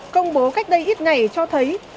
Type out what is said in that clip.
công bố cách đây ít ngày cho thấy